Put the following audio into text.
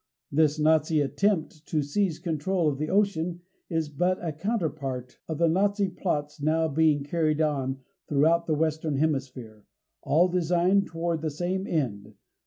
This Nazi attempt to seize control of the oceans is but a counterpart of the Nazi plots now being carried on throughout the Western Hemisphere all designed toward the same end.